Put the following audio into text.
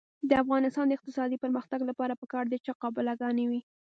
د افغانستان د اقتصادي پرمختګ لپاره پکار ده چې قابله ګانې وي.